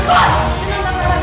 suruh dia pergi